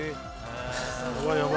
やばいやばい。